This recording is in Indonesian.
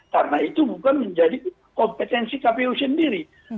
karena itu bukan menjadi kompetensi kpu sendiri